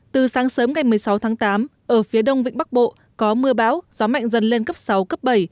từ sáng sớm ngày một mươi sáu tháng tám ở phía đông vĩnh bắc bộ có mưa bão gió mạnh dần lên cấp sáu cấp bảy